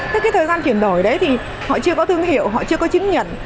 thế cái thời gian chuyển đổi đấy thì họ chưa có thương hiệu họ chưa có chứng nhận